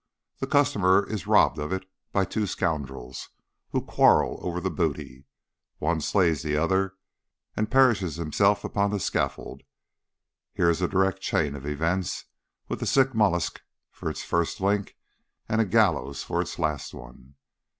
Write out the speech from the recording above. The customer is robbed of it by two scoundrels who quarrel over the booty. One slays the other, and perishes himself upon the scaffold. Here is a direct chain of events with a sick mollusc for its first link, and a gallows for its last one.